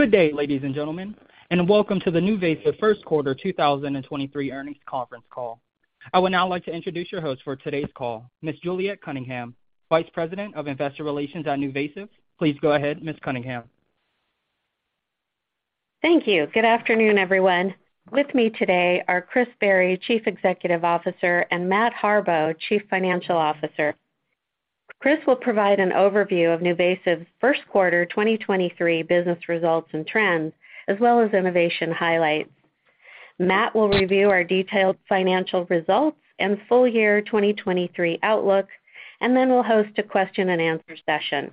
Good day, ladies and gentlemen, and welcome to the NuVasive first quarter 2023 earnings conference call. I would now like to introduce your host for today's call, Ms. Juliet Cunningham, Vice President, Investor Relations at NuVasive. Please go ahead, Ms. Cunningham. Thank you. Good afternoon, everyone. With me today are Chris Barry, Chief Executive Officer, and Matt Harbaugh, Chief Financial Officer. Chris will provide an overview of NuVasive's first quarter 2023 business results and trends, as well as innovation highlights. Matt will review our detailed financial results and full year 2023 outlook, then we'll host a question and answer session.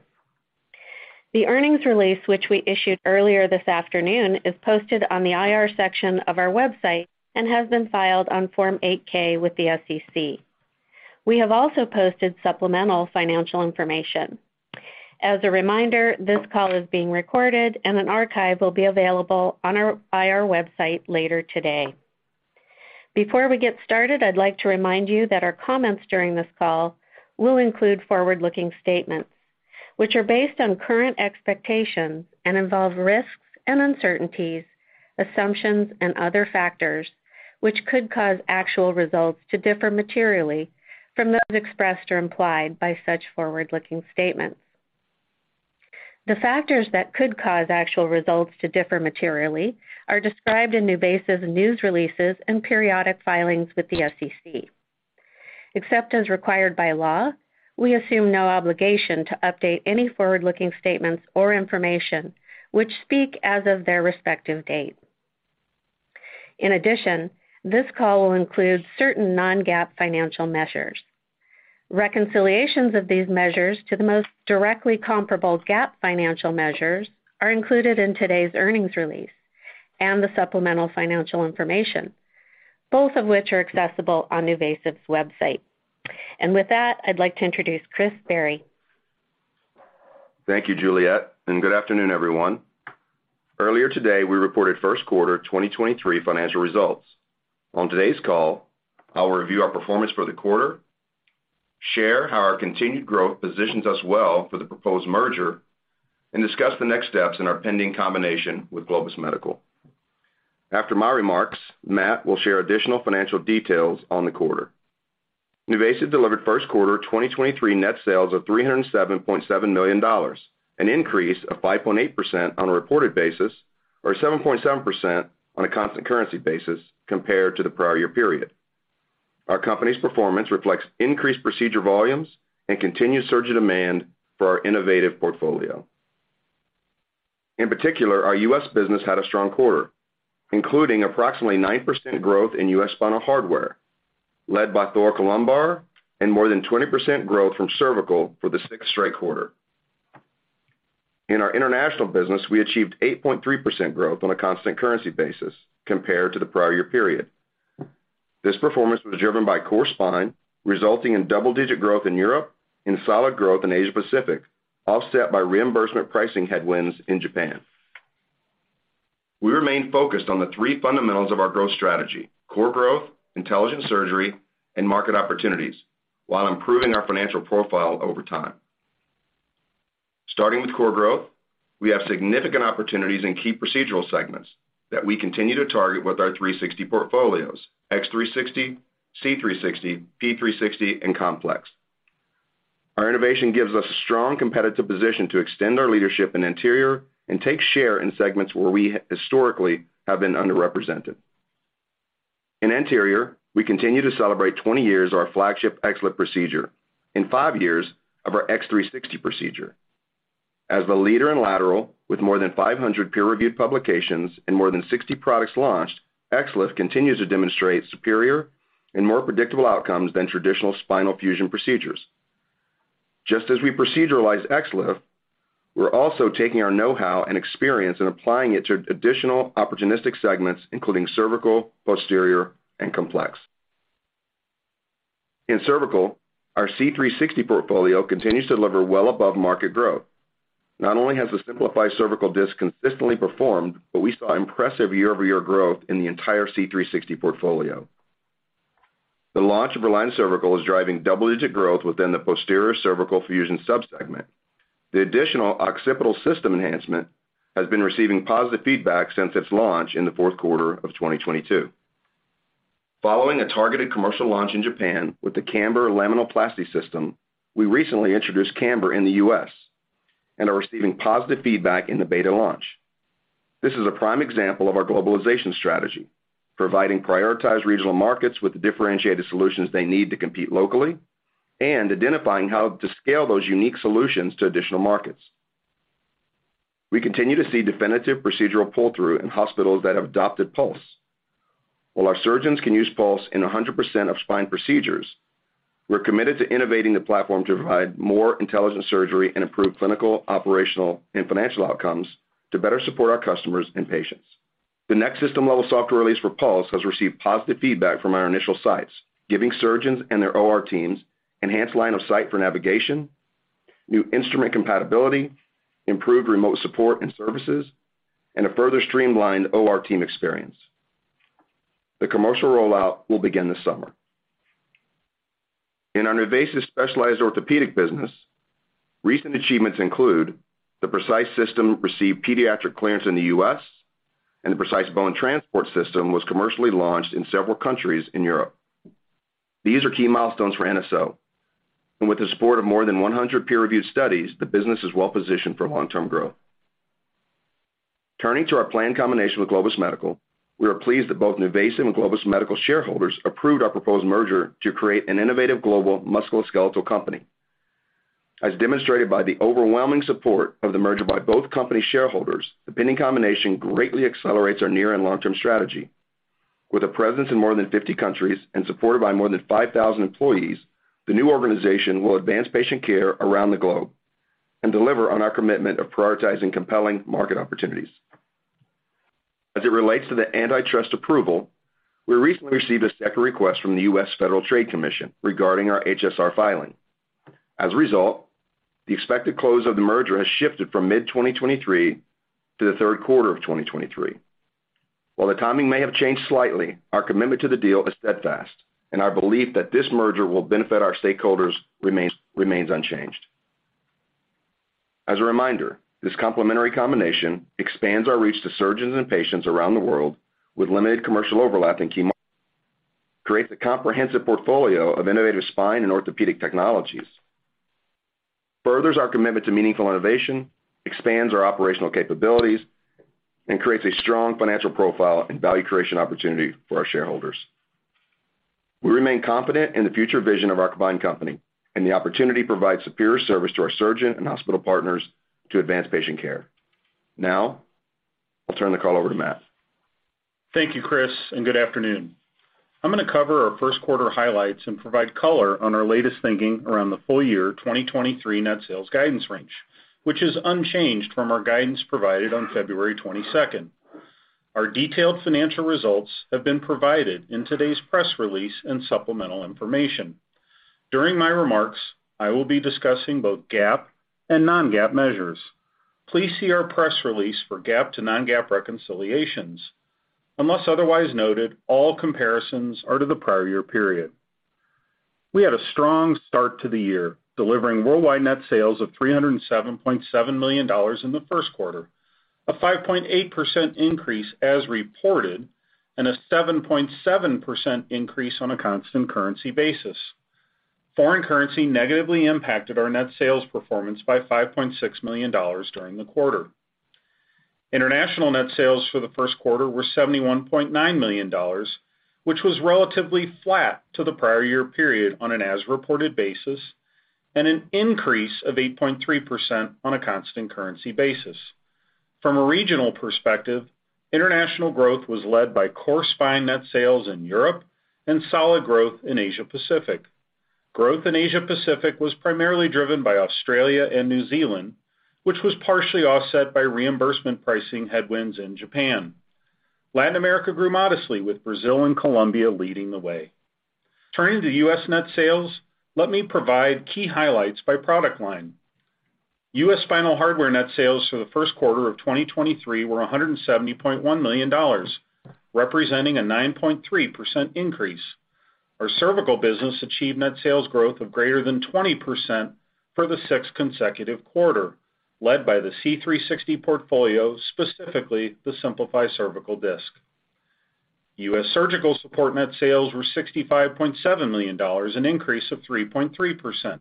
The earnings release, which we issued earlier this afternoon, is posted on the IR section of our website and has been filed on Form 8-K with the SEC. We have also posted supplemental financial information. As a reminder, this call is being recorded and an archive will be available by our website later today. Before we get started, I'd like to remind you that our comments during this call will include forward-looking statements, which are based on current expectations and involve risks and uncertainties, assumptions and other factors, which could cause actual results to differ materially from those expressed or implied by such forward-looking statements. The factors that could cause actual results to differ materially are described in NuVasive's news releases and periodic filings with the SEC. Except as required by law, we assume no obligation to update any forward-looking statements or information which speak as of their respective date. In addition, this call will include certain non-GAAP financial measures. Reconciliations of these measures to the most directly comparable GAAP financial measures are included in today's earnings release and the supplemental financial information, both of which are accessible on NuVasive's website. With that, I'd like to introduce Chris Barry. Thank you, Juliet. Good afternoon, everyone. Earlier today, we reported first quarter 2023 financial results. On today's call, I'll review our performance for the quarter, share how our continued growth positions us well for the proposed merger, and discuss the next steps in our pending combination with Globus Medical. After my remarks, Matt will share additional financial details on the quarter. NuVasive delivered first quarter 2023 net sales of $307.7 million, an increase of 5.8% on a reported basis or 7.7% on a constant currency basis compared to the prior year period. Our company's performance reflects increased procedure volumes and continued surge in demand for our innovative portfolio. In particular, our U.S. business had a strong quarter, including approximately 9% growth in U.S. spinal hardware, led by thoracolumbar and more than 20% growth from cervical for the sixth straight quarter. In our international business, we achieved 8.3% growth on a constant currency basis compared to the prior year period. This performance was driven by core spine, resulting in double-digit growth in Europe and solid growth in Asia Pacific, offset by reimbursement pricing headwinds in Japan. We remain focused on the three fundamentals of our growth strategy: core growth, intelligent surgery, and market opportunities, while improving our financial profile over time. Starting with core growth, we have significant opportunities in key procedural segments that we continue to target with our 360 portfolios, X360, C360, P360, and complex. Our innovation gives us a strong competitive position to extend our leadership in anterior and take share in segments where we historically have been underrepresented. In anterior, we continue to celebrate 20 years of our flagship XLIF procedure and 5 years of our X360 procedure. As the leader in lateral with more than 500 peer-reviewed publications and more than 60 products launched, XLIF continues to demonstrate superior and more predictable outcomes than traditional spinal fusion procedures. Just as we proceduralized XLIF, we're also taking our know-how and experience and applying it to additional opportunistic segments, including cervical, posterior, and complex. In cervical, our C360 portfolio continues to deliver well above market growth. Not only has the Simplify Cervical Disc consistently performed, but we saw impressive year-over-year growth in the entire C360 portfolio. The launch of Reline Cervical is driving double-digit growth within the posterior cervical fusion subsegment. The additional occipital system enhancement has been receiving positive feedback since its launch in the fourth quarter of 2022. Following a targeted commercial launch in Japan with the Camber Laminoplasty System, we recently introduced Camber in the U.S. and are receiving positive feedback in the beta launch. This is a prime example of our globalization strategy, providing prioritized regional markets with the differentiated solutions they need to compete locally and identifying how to scale those unique solutions to additional markets. We continue to see definitive procedural pull-through in hospitals that have adopted Pulse. While our surgeons can use Pulse in 100% of spine procedures, we're committed to innovating the platform to provide more intelligent surgery and improve clinical, operational, and financial outcomes to better support our customers and patients. The next system-level software release for Pulse has received positive feedback from our initial sites, giving surgeons and their OR teams enhanced line of sight for navigation, new instrument compatibility, improved remote support and services, and a further streamlined OR team experience. The commercial rollout will begin this summer. In our NuVasive Specialized Orthopedics business, recent achievements include the PRECICE system received pediatric clearance in the U.S., and the PRECICE Bone Transport System was commercially launched in several countries in Europe. These are key milestones for NSO, and with the support of more than 100 peer-reviewed studies, the business is well positioned for long-term growth. Turning to our planned combination with Globus Medical, we are pleased that both NuVasive and Globus Medical shareholders approved our proposed merger to create an innovative global musculoskeletal company. Demonstrated by the overwhelming support of the merger by both company shareholders, the pending combination greatly accelerates our near and long-term strategy. With a presence in more than 50 countries and supported by more than 5,000 employees, the new organization will advance patient care around the globe and deliver on our commitment of prioritizing compelling market opportunities. It relates to the antitrust approval, we recently received a second request from the US Federal Trade Commission regarding our HSR filing. A result, the expected close of the merger has shifted from mid-2023 to the third quarter of 2023. The timing may have changed slightly, our commitment to the deal is steadfast, and our belief that this merger will benefit our stakeholders remains unchanged. As a reminder, this complementary combination expands our reach to surgeons and patients around the world with limited commercial overlap, creates a comprehensive portfolio of innovative spine and orthopedic technologies, furthers our commitment to meaningful innovation, expands our operational capabilities, and creates a strong financial profile and value creation opportunity for our shareholders. We remain confident in the future vision of our combined company and the opportunity to provide superior service to our surgeon and hospital partners to advance patient care. Now I'll turn the call over to Matt. Thank you, Chris. Good afternoon. I'm going to cover our first quarter highlights and provide color on our latest thinking around the full year 2023 net sales guidance range, which is unchanged from our guidance provided on February 22nd. Our detailed financial results have been provided in today's press release and supplemental information. During my remarks, I will be discussing both GAAP and non-GAAP measures. Please see our press release for GAAP to non-GAAP reconciliations. Unless otherwise noted, all comparisons are to the prior year period. We had a strong start to the year, delivering worldwide net sales of $307.7 million in the first quarter, a 5.8% increase as reported and a 7.7% increase on a constant currency basis. Foreign currency negatively impacted our net sales performance by $5.6 million during the quarter. International net sales for the first quarter were $71.9 million, which was relatively flat to the prior-year period on an as-reported basis and an increase of 8.3% on a constant currency basis. From a regional perspective, international growth was led by core spine net sales in Europe and solid growth in Asia Pacific. Growth in Asia Pacific was primarily driven by Australia and New Zealand, which was partially offset by reimbursement pricing headwinds in Japan. Latin America grew modestly, with Brazil and Colombia leading the way. Turning to U.S. net sales, let me provide key highlights by product line. U.S. spinal hardware net sales for the first quarter of 2023 were $170.1 million, representing a 9.3% increase. Our cervical business achieved net sales growth of greater than 20% for the sixth consecutive quarter, led by the C360 portfolio, specifically the Simplify Cervical Disc. U.S. surgical support net sales were $65.7 million, an increase of 3.3%.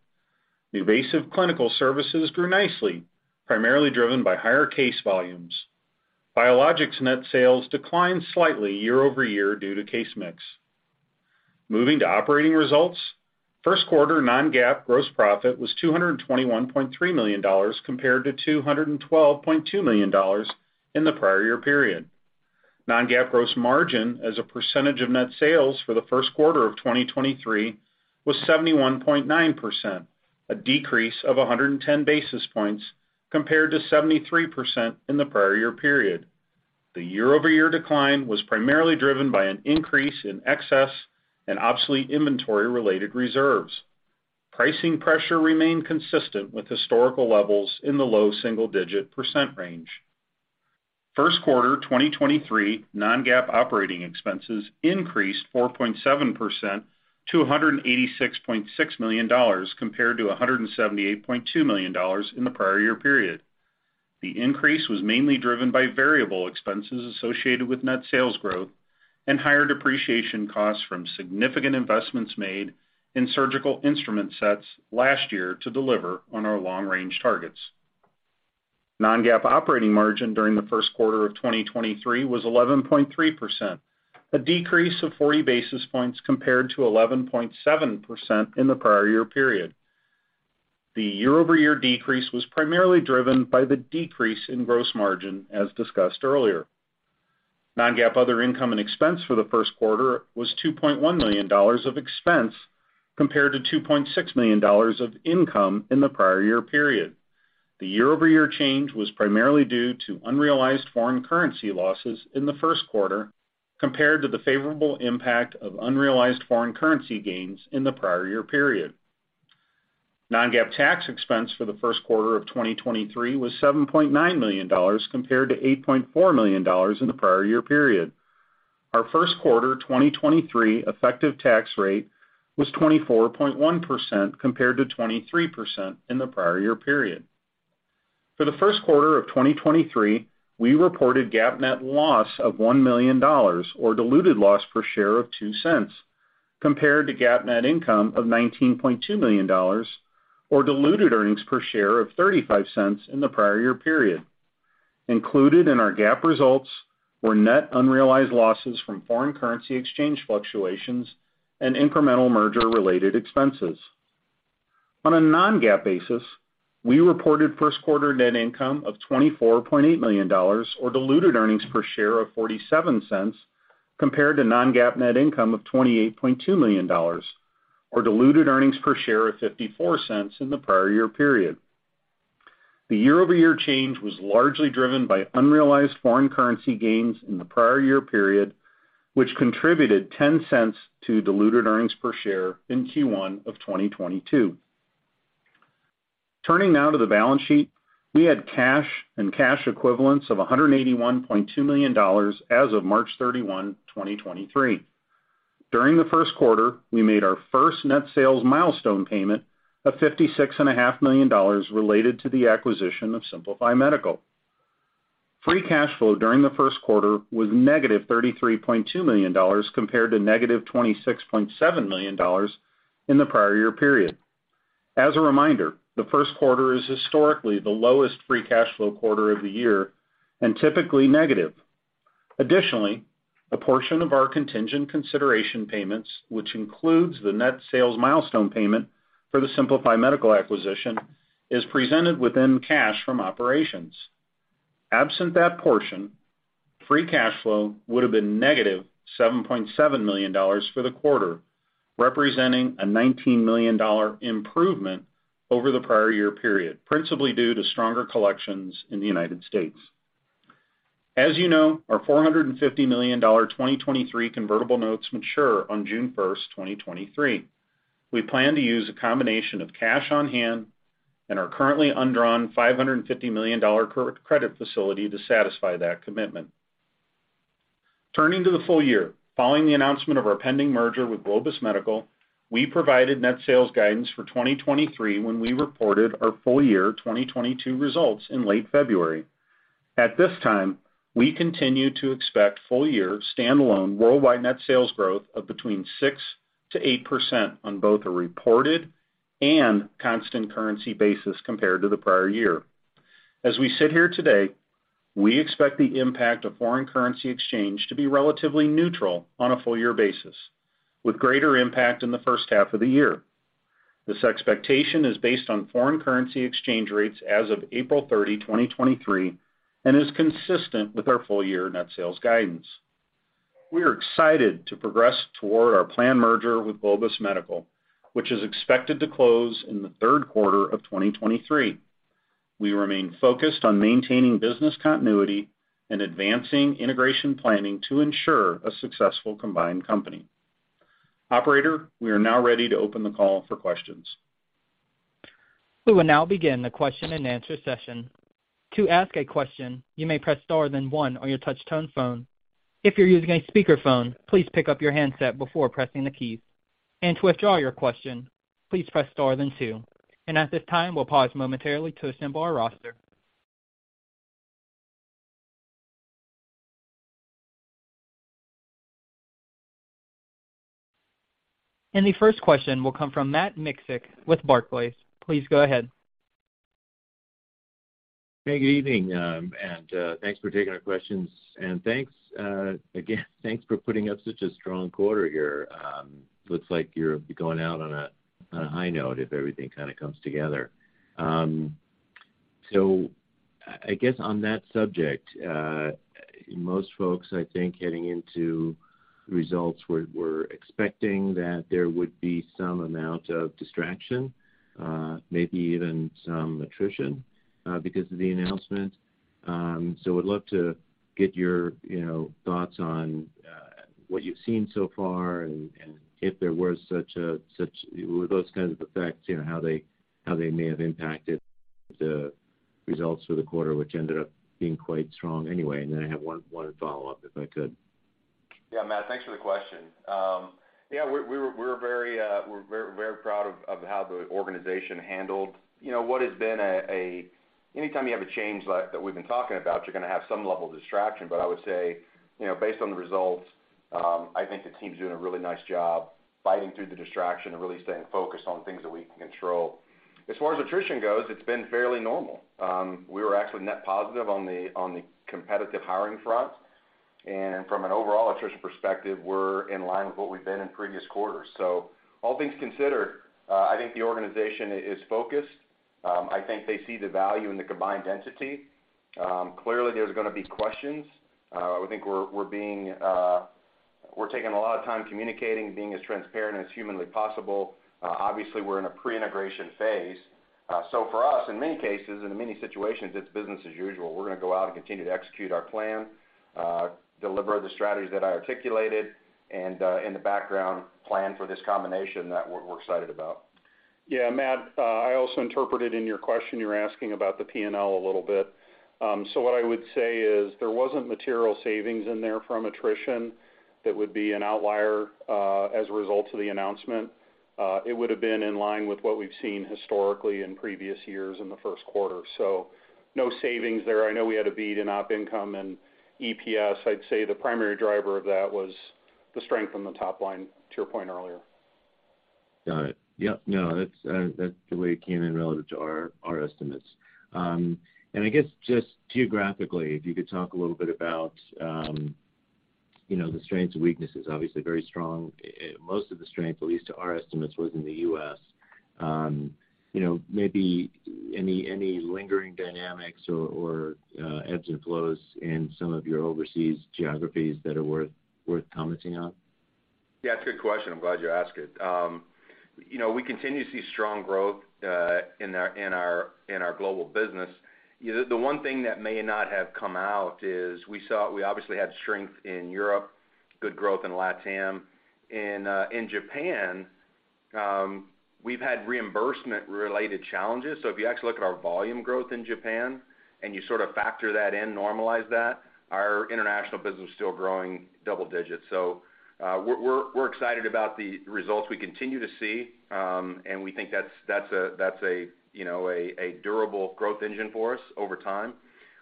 NuVasive Clinical Services grew nicely, primarily driven by higher case volumes. Biologics net sales declined slightly year-over-year due to case mix. Moving to operating results, first quarter non-GAAP gross profit was $221.3 million compared to $212.2 million in the prior year period. Non-GAAP gross margin as a percentage of net sales for the first quarter of 2023 was 71.9%, a decrease of 110 basis points compared to 73% in the prior year period. The year-over-year decline was primarily driven by an increase in excess and obsolete inventory-related reserves. Pricing pressure remained consistent with historical levels in the low single-digit % range. First quarter 2023 non-GAAP operating expenses increased 4.7% to $186.6 million, compared to $178.2 million in the prior year period. The increase was mainly driven by variable expenses associated with net sales growth and higher depreciation costs from significant investments made in surgical instrument sets last year to deliver on our long-range targets. Non-GAAP operating margin during the first quarter of 2023 was 11.3%, a decrease of 40 basis points compared to 11.7% in the prior year period. The year-over-year decrease was primarily driven by the decrease in gross margin, as discussed earlier. Non-GAAP other income and expense for the first quarter was $2.1 million of expense, compared to $2.6 million of income in the prior year period. The year-over-year change was primarily due to unrealized foreign currency losses in the first quarter, compared to the favorable impact of unrealized foreign currency gains in the prior year period. Non-GAAP tax expense for the first quarter of 2023 was $7.9 million compared to $8.4 million in the prior year period. Our first quarter 2023 effective tax rate was 24.1% compared to 23% in the prior year period. For the first quarter of 2023, we reported GAAP net loss of $1 million or diluted loss per share of $0.02, compared to GAAP net income of $19.2 million or diluted earnings per share of $0.35 in the prior year period. Included in our GAAP results were net unrealized losses from foreign currency exchange fluctuations and incremental merger-related expenses. On a non-GAAP basis, we reported first quarter net income of $24.8 million or diluted earnings per share of $0.47 compared to non-GAAP net income of $28.2 million or diluted earnings per share of $0.54 in the prior year period. The year-over-year change was largely driven by unrealized foreign currency gains in the prior year period, which contributed $0.10 to diluted earnings per share in Q1 of 2022. Turning now to the balance sheet. We had cash and cash equivalents of $181.2 million as of March 31, 2023. During the first quarter, we made our first net sales milestone payment of $56.5 million related to the acquisition of Simplify Medical. Free cash flow during the first quarter was negative $33.2 million compared to negative $26.7 million in the prior year period. As a reminder, the first quarter is historically the lowest free cash flow quarter of the year and typically negative. Additionally, a portion of our contingent consideration payments, which includes the net sales milestone payment for the Simplify Medical acquisition, is presented within cash from operations. Absent that portion, free cash flow would have been negative $7.7 million for the quarter, representing a $19 million improvement over the prior year period, principally due to stronger collections in the United States. As you know, our $450 million 2023 convertible notes mature on June 1, 2023. We plan to use a combination of cash on hand and our currently undrawn $550 million revolving credit facility to satisfy that commitment. Turning to the full year. Following the announcement of our pending merger with Globus Medical, we provided net sales guidance for 2023 when we reported our full year 2022 results in late February. At this time, we continue to expect full year stand-alone worldwide net sales growth of between 6%-8% on both a reported and constant currency basis compared to the prior year. As we sit here today, we expect the impact of foreign currency exchange to be relatively neutral on a full year basis, with greater impact in the first half of the year. This expectation is based on foreign currency exchange rates as of April 30, 2023, and is consistent with our full year net sales guidance. We are excited to progress toward our planned merger with Globus Medical, which is expected to close in the third quarter of 2023. We remain focused on maintaining business continuity and advancing integration planning to ensure a successful combined company. Operator, we are now ready to open the call for questions. We will now begin the question-and-answer session. To ask a question, you may press Star then one on your touch tone phone. If you're using a speakerphone, please pick up your handset before pressing the keys. To withdraw your question, please press Star then two. At this time, we'll pause momentarily to assemble our roster. The first question will come from Matt Miksic with Barclays. Please go ahead. Hey, good evening, thanks for taking our questions. Thanks again for putting up such a strong quarter here. Looks like you're going out on a high note if everything kind of comes together. I guess on that subject, most folks, I think, heading into results were expecting that there would be some amount of distraction, maybe even some attrition, because of the announcement. Would love to get your, you know, thoughts on what you've seen so far and if there were those kinds of effects, you know, how they may have impacted the results for the quarter, which ended up being quite strong anyway. Then I have one follow-up, if I could. Yeah, Matt, thanks for the question. Yeah, we're very proud of how the organization handled, you know, what has been anytime you have a change like that we've been talking about, you're gonna have some level of distraction. I would say, you know, based on the results, I think the team's doing a really nice job fighting through the distraction and really staying focused on things that we can control. As far as attrition goes, it's been fairly normal. We were actually net positive on the competitive hiring front. From an overall attrition perspective, we're in line with what we've been in previous quarters. All things considered, I think the organization is focused. I think they see the value in the combined entity. Clearly, there's gonna be questions. We think we're taking a lot of time communicating, being as transparent as humanly possible. Obviously, we're in a pre-integration phase. For us, in many cases and in many situations, it's business as usual. We're gonna go out and continue to execute our plan, deliver the strategies that I articulated, and, in the background plan for this combination that we're excited about. Yeah, Matt, I also interpreted in your question, you were asking about the P&L a little bit. What I would say is there wasn't material savings in there from attrition that would be an outlier as a result of the announcement. It would have been in line with what we've seen historically in previous years in the first quarter. No savings there. I know we had a beat in operating income and EPS. I'd say the primary driver of that was the strength from the top line to your point earlier. Got it. Yep. No, that's the way it came in relative to our estimates. I guess just geographically, if you could talk a little bit about, you know, the strengths and weaknesses, obviously very strong. Most of the strength, at least to our estimates, was in the US. You know, maybe any lingering dynamics or ebbs and flows in some of your overseas geographies that are worth commenting on? Yeah, it's a good question. I'm glad you asked it. You know, we continue to see strong growth in our global business. You know, the one thing that may not have come out is we obviously had strength in Europe, good growth in LATAM. In Japan, we've had reimbursement related challenges. If you actually look at our volume growth in Japan, and you sort of factor that in, normalize that, our international business is still growing double digits. We're excited about the results we continue to see, and we think that's a, that's a, you know, a durable growth engine for us over time.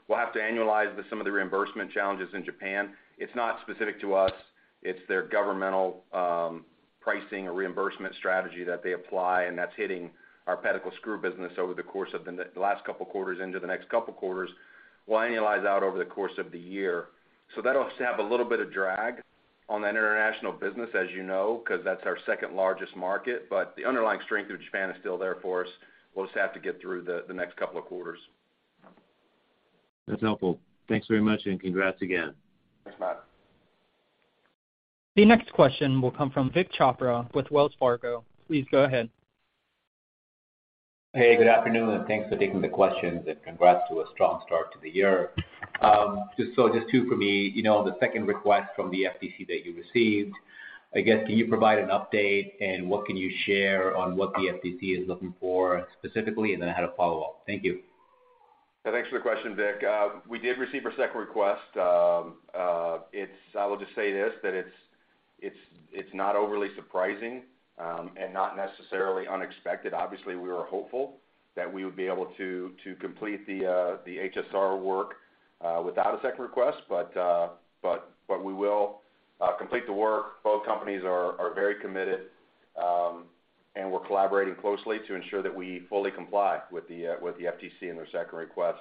We'll have to annualize the some of the reimbursement challenges in Japan. It's not specific to us. It's their governmental pricing or reimbursement strategy that they apply. That's hitting our pedicle screw business over the course of the last couple quarters into the next couple quarters. We'll annualize out over the course of the year. That'll have a little bit of drag on that international business, as you know, 'cause that's our 2nd largest market. The underlying strength of Japan is still there for us. We'll just have to get through the next couple of quarters. That's helpful. Thanks very much and congrats again. Thanks, Matt. The next question will come from Vikramjeet Chopra with Wells Fargo. Please go ahead. Good afternoon, and thanks for taking the questions, and congrats to a strong start to the year. Just two for me, you know, the second request from the FTC that you received, I guess, can you provide an update, and what can you share on what the FTC is looking for specifically, and then I had a follow-up. Thank you. Yeah. Thanks for the question, Vik. We did receive a second request. I will just say this, that it's not overly surprising and not necessarily unexpected. Obviously, we were hopeful that we would be able to complete the HSR work without a second request, but we will complete the work. Both companies are very committed and we're collaborating closely to ensure that we fully comply with the FTC and their second request.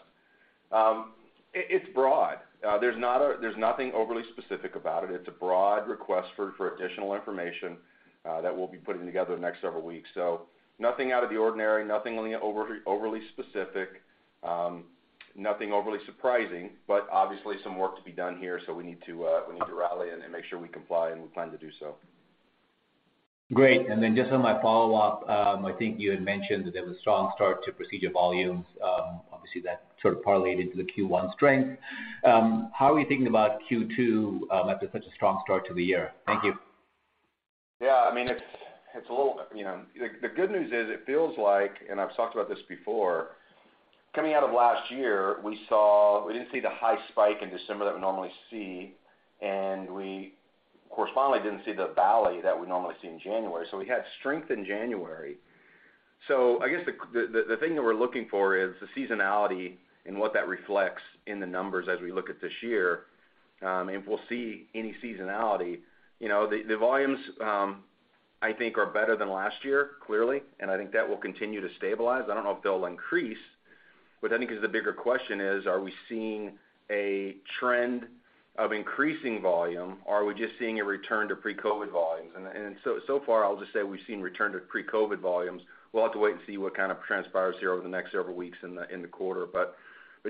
It's broad. There's nothing overly specific about it. It's a broad request for additional information that we'll be putting together the next several weeks. Nothing out of the ordinary, nothing only overly specific, nothing overly surprising. Obviously some work to be done here. We need to rally and make sure we comply. We plan to do so. Great. Just on my follow-up, I think you had mentioned that there was strong start to procedure volumes. Obviously that sort of parlayed into the Q1 strength. How are you thinking about Q2 after such a strong start to the year? Thank you. Yeah. I mean, it's a little, you know. The, the good news is it feels like, and I've talked about this before, coming out of last year, we didn't see the high spike in December that we normally see, and we correspondingly didn't see the valley that we normally see in January. We had strength in January. I guess the, the thing that we're looking for is the seasonality and what that reflects in the numbers as we look at this year, if we'll see any seasonality. You know, the volumes, I think are better than last year, clearly, and I think that will continue to stabilize. I don't know if they'll increase. I think is the bigger question is, are we seeing a trend of increasing volume? Are we just seeing a return to pre-COVID volumes? So far I'll just say we've seen return to pre-COVID volumes. We'll have to wait and see what kind of transpires here over the next several weeks in the quarter.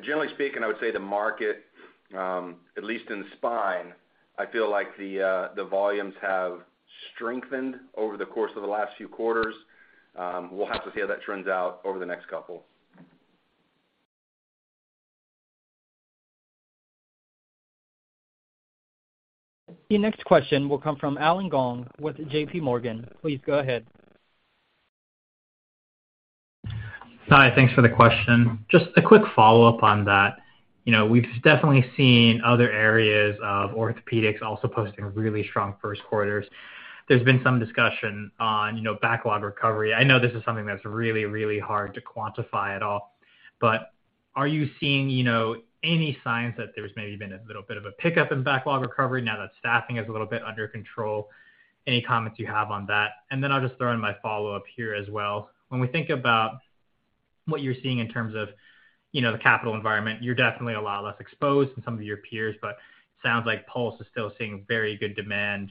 Generally speaking, I would say the market, at least in spine, I feel like the volumes have strengthened over the course of the last few quarters. We'll have to see how that trends out over the next couple. The next question will come from Allen Gong with JP Morgan. Please go ahead. Hi. Thanks for the question. Just a quick follow-up on that. You know, we've definitely seen other areas of orthopedics also posting really strong first quarters. There's been some discussion on, you know, backlog recovery. I know this is something that's really, really hard to quantify at all. Are you seeing, you know, any signs that there's maybe been a little bit of a pickup in backlog recovery now that staffing is a little bit under control? Any comments you have on that? I'll just throw in my follow-up here as well. When we think about what you're seeing in terms of, you know, the capital environment, you're definitely a lot less exposed than some of your peers, but it sounds like Pulse is still seeing very good demand.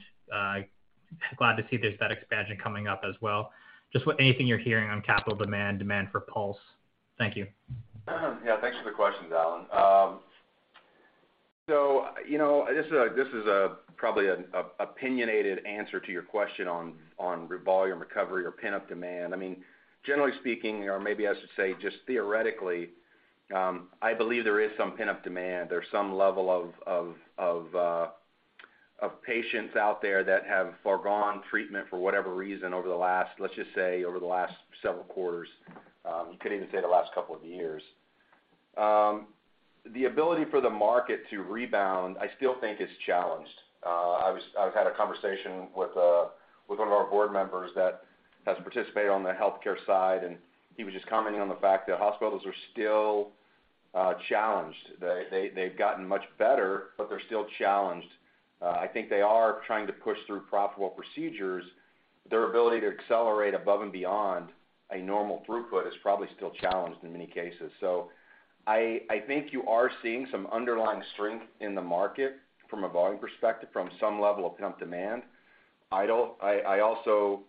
Glad to see there's that expansion coming up as well. Just anything you're hearing on capital demand for Pulse. Thank you. Yeah, thanks for the questions, Allen. You know, this is probably an opinionated answer to your question on volume recovery or pent-up demand. I mean, generally speaking, or maybe I should say just theoretically, I believe there is some pent-up demand. There's some level of patients out there that have forgone treatment for whatever reason over the last, let's just say, over the last several quarters, you could even say the last two years. The ability for the market to rebound, I still think is challenged. I've had a conversation with one of our board members that has participated on the healthcare side, and he was just commenting on the fact that hospitals are still challenged. They've gotten much better, but they're still challenged. I think they are trying to push through profitable procedures. Their ability to accelerate above and beyond a normal throughput is probably still challenged in many cases. I think you are seeing some underlying strength in the market from a volume perspective, from some level of pent-up demand. I also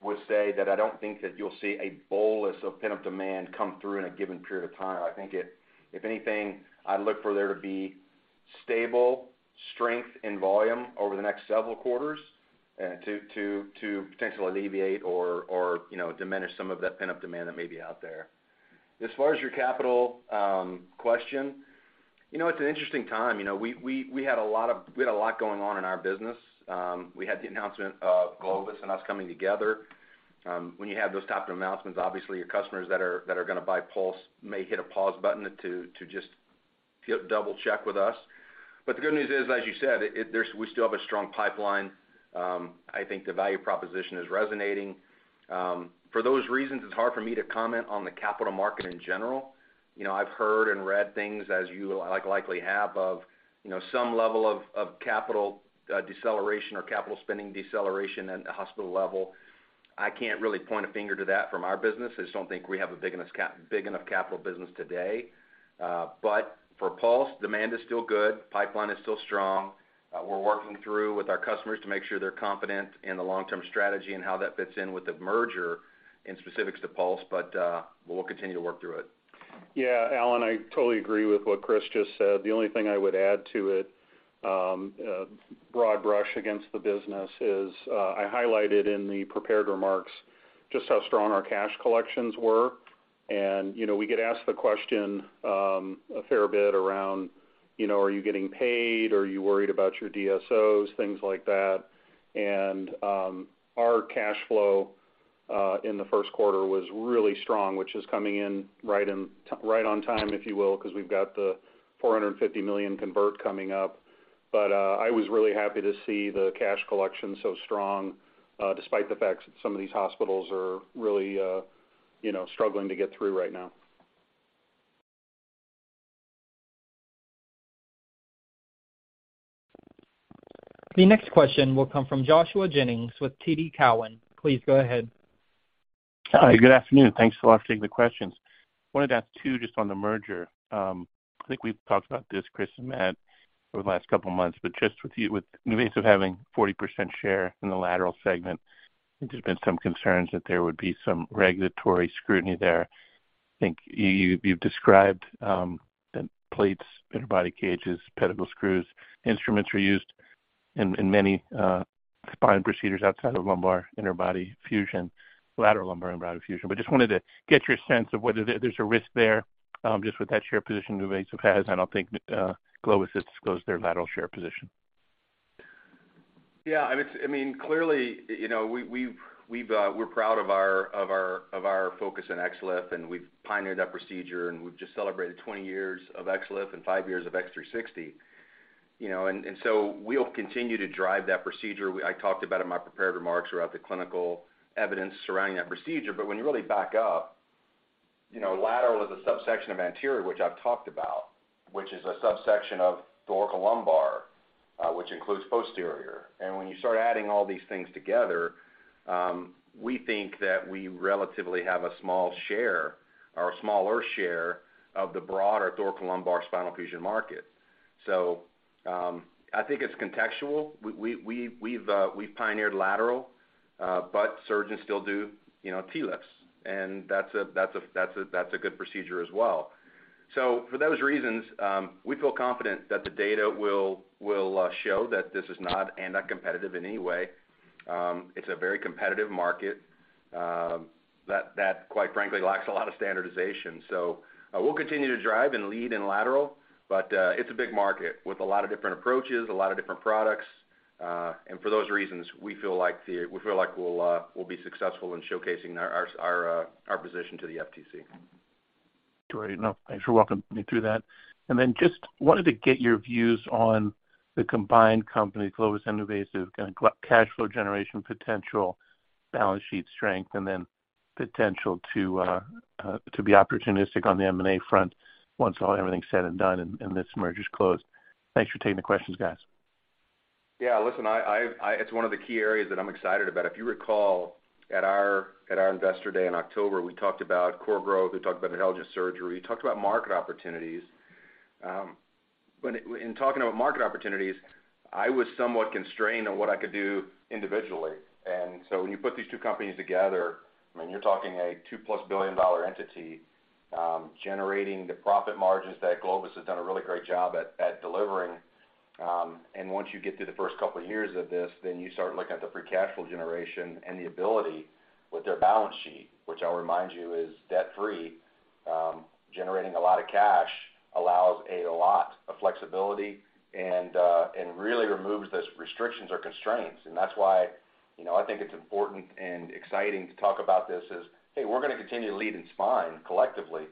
would say that I don't think that you'll see a bolus of pent-up demand come through in a given period of time. If anything, I look for there to be stable strength in volume over the next several quarters, to potentially alleviate or, you know, diminish some of that pent-up demand that may be out there. As far as your capital question, you know, it's an interesting time. You know, we had a lot going on in our business. We had the announcement of Globus and us coming together. When you have those type of announcements, obviously your customers that are gonna buy Pulse may hit a pause button to just double-check with us. The good news is, as you said, we still have a strong pipeline. I think the value proposition is resonating. For those reasons, it's hard for me to comment on the capital market in general. You know, I've heard and read things as you like likely have of, you know, some level of capital deceleration or capital spending deceleration at the hospital level. I can't really point a finger to that from our business. I just don't think we have a big enough capital business today. For Pulse, demand is still good, pipeline is still strong. We're working through with our customers to make sure they're confident in the long-term strategy and how that fits in with the merger in specifics to Pulse, we'll continue to work through it. Yeah, Allen, I totally agree with what Chris just said. The only thing I would add to it, broad brush against the business is, I highlighted in the prepared remarks just how strong our cash collections were. You know, we get asked the question, a fair bit around, you know, are you getting paid? Are you worried about your DSOs? Things like that. Our cash flow, in the first quarter was really strong, which is coming in right on time, if you will, because we've got the $450 million convert coming up. I was really happy to see the cash collection so strong, despite the fact that some of these hospitals are really, you know, struggling to get through right now. The next question will come from Joshua Jennings with TD Cowen. Please go ahead. Hi. Good afternoon. Thanks a lot for taking the questions. Wanted to ask two just on the merger. I think we've talked about this, Chris and Matt, over the last couple of months, but just with NuVasive having 40% share in the lateral segment, there's been some concerns that there would be some regulatory scrutiny there. I think you've described that plates, inner body cages, pedicle screws, instruments are used in many spine procedures outside of lumbar inner body fusion, lateral lumbar inner body fusion. Just wanted to get your sense of whether there's a risk there, just with that share position NuVasive has. I don't think Globus disclosed their lateral share position. Yeah, I mean, clearly, you know, we've, we're proud of our focus on XLIF, and we've pioneered that procedure, and we've just celebrated 20 years of XLIF and 5 years of X360. We'll continue to drive that procedure. I talked about in my prepared remarks about the clinical evidence surrounding that procedure. When you really back up, you know, lateral is a subsection of anterior, which I've talked about, which is a subsection of thoracolumbar, which includes posterior. When you start adding all these things together, we think that we relatively have a small share or a smaller share of the broader thoracolumbar spinal fusion market. I think it's contextual. We've pioneered lateral, but surgeons still do, you know, TLIFs, and that's a good procedure as well. For those reasons, we feel confident that the data will show that this is not anti-competitive in any way. It's a very competitive market that, quite frankly, lacks a lot of standardization. We'll continue to drive and lead in lateral, but it's a big market with a lot of different approaches, a lot of different products. For those reasons, we feel like we'll be successful in showcasing our position to the FTC. Great. No, thanks for walking me through that. Then just wanted to get your views on the combined company, Globus and NuVasive, kind of cash flow generation potential, balance sheet strength, and then potential to be opportunistic on the M&A front once everything's said and done and this merger's closed. Thanks for taking the questions, guys. Yeah. Listen, I, it's one of the key areas that I'm excited about. If you recall, at our, at our Investor Day in October, we talked about core growth, we talked about intelligent surgery, we talked about market opportunities. In talking about market opportunities, I was somewhat constrained on what I could do individually. When you put these two companies together, I mean, you're talking a $2-plus billion entity, generating the profit margins that Globus has done a really great job at delivering. Once you get through the first couple of years of this, then you start looking at the free cash flow generation and the ability with their balance sheet, which I'll remind you is debt-free, generating a lot of cash allows a lot of flexibility and really removes those restrictions or constraints. That's why, you know, I think it's important and exciting to talk about this is, hey, we're gonna continue to lead in spine collectively,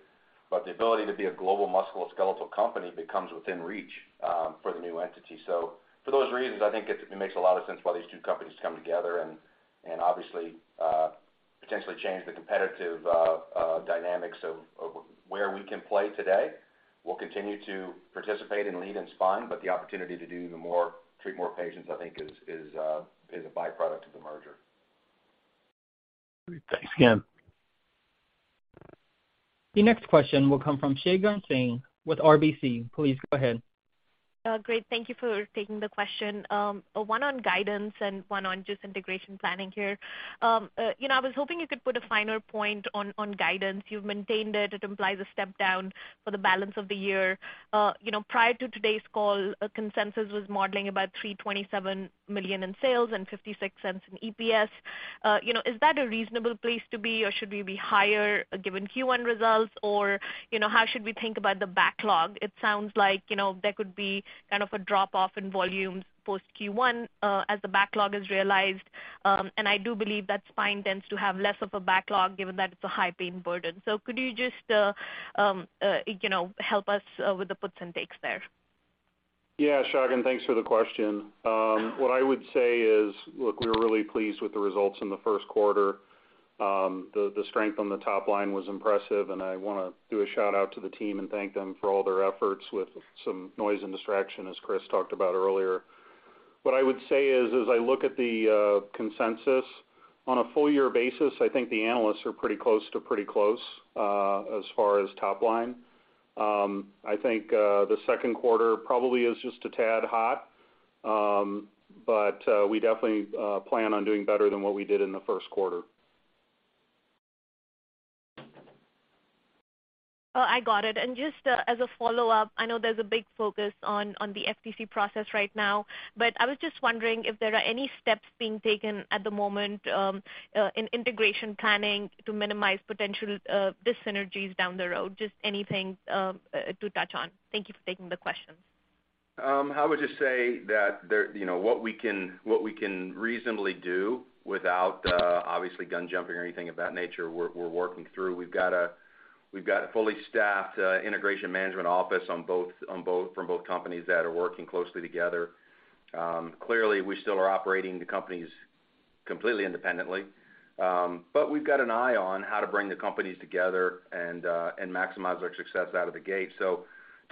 but the ability to be a global musculoskeletal company becomes within reach for the new entity. For those reasons, I think it makes a lot of sense why these two companies come together and obviously potentially change the competitive dynamics of where we can play today. We'll continue to participate and lead in spine, but the opportunity to do even more, treat more patients, I think is a byproduct of the merger. Great. Thanks again. The next question will come from Shagun Singh with RBC. Please go ahead. Great. Thank you for taking the question. One on guidance and one on just integration planning here. You know, I was hoping you could put a finer point on guidance. You've maintained it. It implies a step down for the balance of the year. You know, prior to today's call, consensus was modeling about $327 million in sales and $0.56 in EPS. You know, is that a reasonable place to be, or should we be higher given Q1 results? You know, how should we think about the backlog? It sounds like, you know, there could be kind of a drop-off in volumes post Q1, as the backlog is realized. And I do believe that spine tends to have less of a backlog given that it's a high pain burden. Could you just, you know, help us with the puts and takes there? Yeah, Shagun, thanks for the question. What I would say is, look, we were really pleased with the results in the first quarter. The strength on the top line was impressive, and I wanna do a shout-out to the team and thank them for all their efforts with some noise and distraction, as Chris talked about earlier. What I would say is, as I look at the consensus on a full year basis, I think the analysts are pretty close, as far as top line. I think the second quarter probably is just a tad hot. We definitely plan on doing better than what we did in the first quarter. Oh, I got it. Just as a follow-up, I know there's a big focus on the FTC process right now, but I was just wondering if there are any steps being taken at the moment in integration planning to minimize potential dyssynergies down the road. Just anything to touch on? Thank you for taking the questions. I would just say that you know, what we can reasonably do without obviously gun-jumping or anything of that nature, we're working through. We've got a fully staffed integration management office from both companies that are working closely together. Clearly, we still are operating the companies completely independently, but we've got an eye on how to bring the companies together and maximize our success out of the gate. To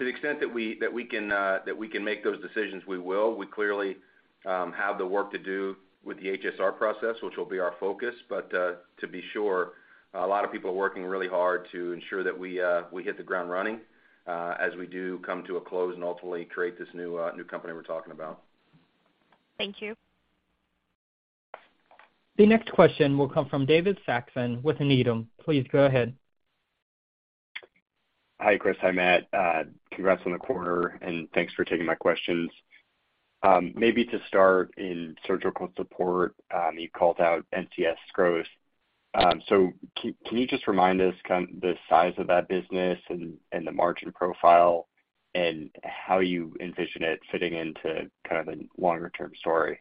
the extent that we can make those decisions, we will. We clearly have the work to do with the HSR process, which will be our focus. To be sure, a lot of people are working really hard to ensure that we hit the ground running, as we do come to a close and ultimately create this new company we're talking about. Thank you. The next question will come from David Saxon with Needham. Please go ahead. Hi, Chris. Hi, Matt. Congrats on the quarter, and thanks for taking my questions. Maybe to start in surgical support, you called out NCS growth. Can you just remind us the size of that business and the margin profile and how you envision it fitting into kind of a longer-term story?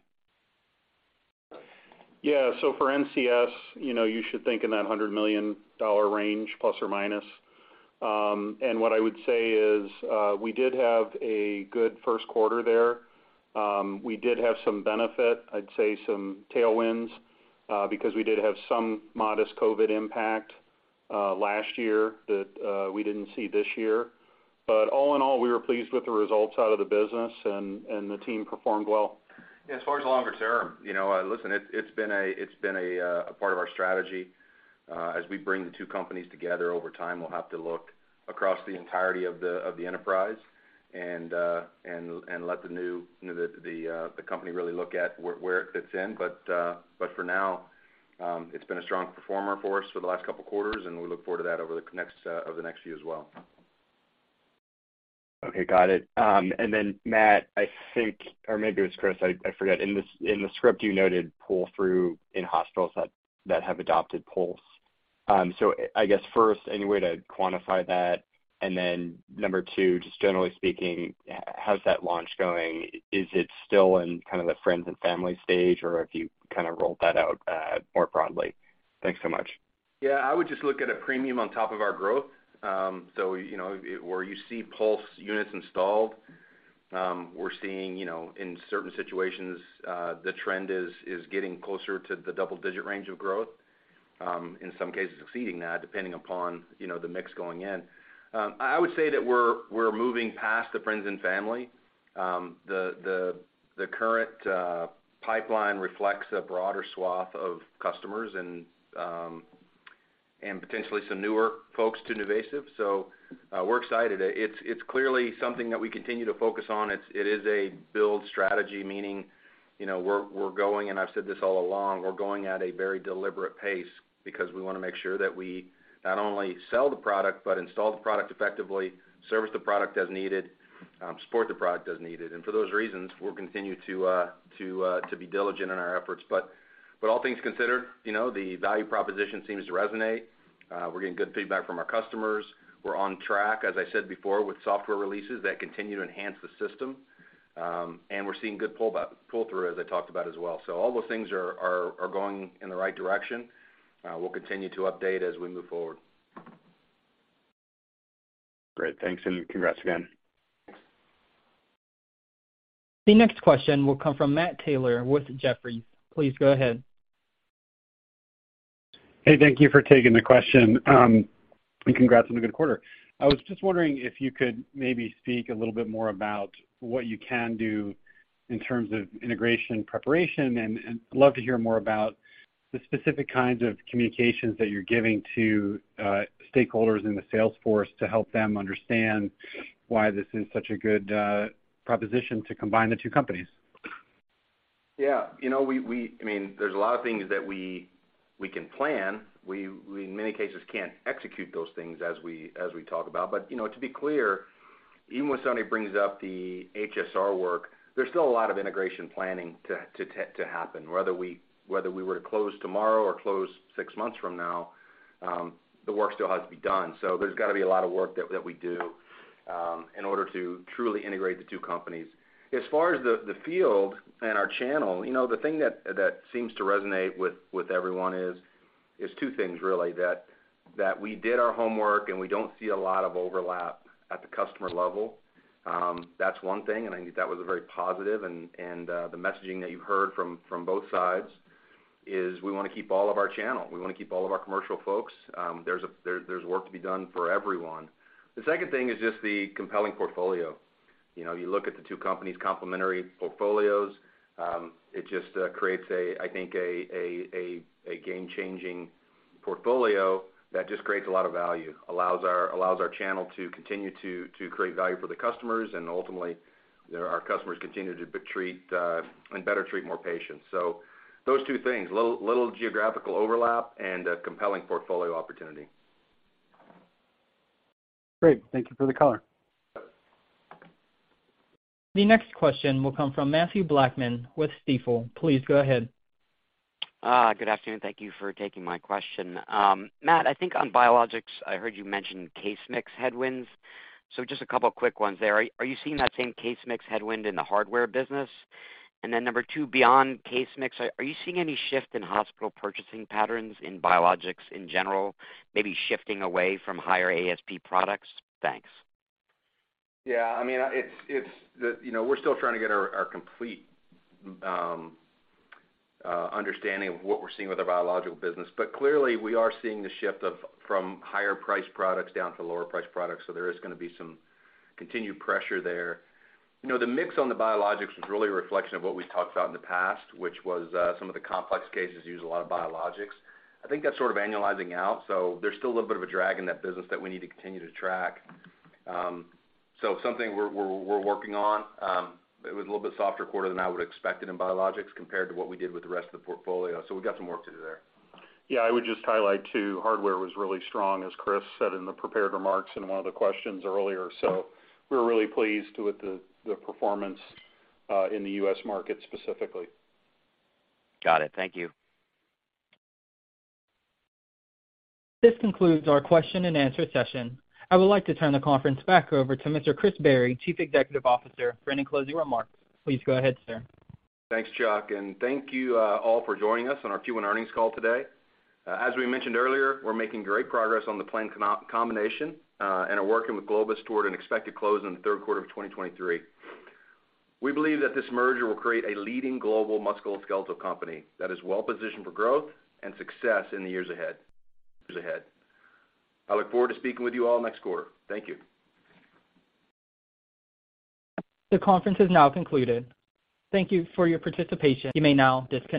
Yeah. For NCS, you know, you should think in that $100 million range, ±. What I would say is, we did have a good first quarter there. We did have some benefit, I'd say some tailwinds, because we did have some modest COVID impact last year that we didn't see this year. All in all, we were pleased with the results out of the business and the team performed well. Yeah. As far as longer term, you know, listen, it's been a part of our strategy. As we bring the two companies together over time, we'll have to look across the entirety of the enterprise and let the new, you know, the company really look at where it fits in. For now, it's been a strong performer for us for the last couple quarters, and we look forward to that over the next few as well. Okay, got it. Matt, I think, or maybe it was Chris, I forget. In the in the script you noted pull-through in hospitals that have adopted Pulse. I guess first, any way to quantify that? Number two, just generally speaking, how's that launch going? Is it still in kind of the friends and family stage, or have you kind of rolled that out more broadly? Thanks so much. Yeah. I would just look at a premium on top of our growth. So, you know, where you see Pulse units installed, we're seeing, you know, in certain situations, the trend is getting closer to the double-digit range of growth, in some cases exceeding that, depending upon, you know, the mix going in. I would say that we're moving past the friends and family. The current pipeline reflects a broader swath of customers. Potentially some newer folks to NuVasive. We're excited. It's clearly something that we continue to focus on. It is a build strategy, meaning, you know, we're going. I've said this all along, we're going at a very deliberate pace because we wanna make sure that we not only sell the product but install the product effectively, service the product as needed, support the product as needed. For those reasons, we'll continue to be diligent in our efforts. All things considered, you know, the value proposition seems to resonate. We're getting good feedback from our customers. We're on track, as I said before, with software releases that continue to enhance the system. We're seeing good pull-through, as I talked about as well. All those things are going in the right direction. We'll continue to update as we move forward. Great. Thanks, congrats again. The next question will come from Matt Taylor with Jefferies. Please go ahead. Hey, thank you for taking the question. Congrats on a good quarter. I was just wondering if you could maybe speak a little bit more about what you can do in terms of integration preparation, and love to hear more about the specific kinds of communications that you're giving to stakeholders in the sales force to help them understand why this is such a good proposition to combine the two companies? Yeah. You know, we, I mean, there's a lot of things that we can plan. We in many cases can't execute those things as we talk about. You know, to be clear, even when Sony brings up the HSR work, there's still a lot of integration planning to happen. Whether we were to close tomorrow or close six months from now, the work still has to be done. There's gotta be a lot of work that we do in order to truly integrate the two companies. As far as the field and our channel, you know, the thing that seems to resonate with everyone is two things really, that we did our homework, and we don't see a lot of overlap at the customer level. That's one thing, and I think that was a very positive and, the messaging that you heard from both sides is we wanna keep all of our channel. We wanna keep all of our commercial folks. There's work to be done for everyone. The second thing is just the compelling portfolio. You know, you look at the two companies' complementary portfolios, it just creates a, I think a game-changing portfolio that just creates a lot of value, allows our channel to continue to create value for the customers, and ultimately there are customers continue to be treat, and better treat more patients. Those two things, little geographical overlap and a compelling portfolio opportunity. Great. Thank you for the color. The next question will come from Mathew Blackman with Stifel. Please go ahead. Good afternoon. Thank you for taking my question. Matt, I think on biologics, I heard you mention case mix headwinds. Just a couple quick ones there. Are you seeing that same case mix headwind in the hardware business? Then number two, beyond case mix, are you seeing any shift in hospital purchasing patterns in biologics in general, maybe shifting away from higher ASP products? Thanks. Yeah, I mean, it's. The, you know, we're still trying to get our complete understanding of what we're seeing with our biological business. Clearly, we are seeing the shift of, from higher priced products down to lower priced products, so there is gonna be some continued pressure there. You know, the mix on the biologics was really a reflection of what we talked about in the past, which was some of the complex cases use a lot of biologics. I think that's sort of annualizing out, so there's still a little bit of a drag in that business that we need to continue to track. Something we're working on. It was a little bit softer quarter than I would've expected in biologics compared to what we did with the rest of the portfolio, so we've got some work to do there. Yeah, I would just highlight too, hardware was really strong, as Chris said in the prepared remarks in one of the questions earlier. We're really pleased with the performance, in the U.S. market specifically. Got it. Thank you. This concludes our question and answer session. I would like to turn the conference back over to Mr. Chris Barry, Chief Executive Officer, for any closing remarks. Please go ahead, sir. Thanks, Chuck, and thank you, all for joining us on our Q1 earnings call today. As we mentioned earlier, we're making great progress on the planned combination, and are working with Globus toward an expected close in the third quarter of 2023. We believe that this merger will create a leading global musculoskeletal company that is well positioned for growth and success in the years ahead. I look forward to speaking with you all next quarter. Thank you. The conference is now concluded. Thank you for your participation. You may now disconnect.